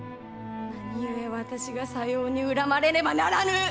何故私がさように恨まれねばならぬ！